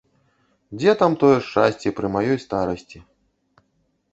Дзе там тое шчасце пры маёй старасці?